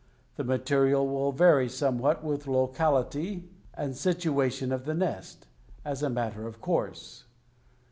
The material will vary somewhat with locality and situation of the nest, as a matter of course.